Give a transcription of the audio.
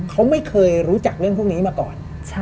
เขาไม่เคยรู้จักเรื่องพวกนี้มาก่อน